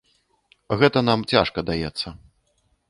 Гэта нам цяжка даецца.